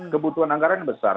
kebutuhan anggarannya besar